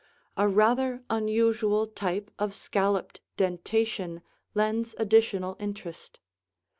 A rather unusual type of scalloped dentation lends additional interest.